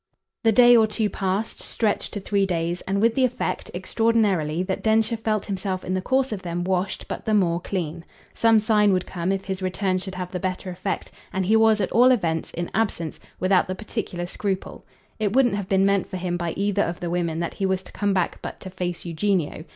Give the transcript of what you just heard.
The day or two passed stretched to three days; and with the effect, extraordinarily, that Densher felt himself in the course of them washed but the more clean. Some sign would come if his return should have the better effect; and he was at all events, in absence, without the particular scruple. It wouldn't have been meant for him by either of the women that he was to come back but to face Eugenio.